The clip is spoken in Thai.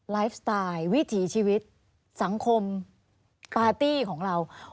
ไลฟ์สไตล์วิถีชีวิตสังคมปาร์ตี้ของเรา